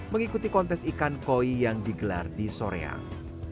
mengikuti kontes ikan koi yang digelar di soreang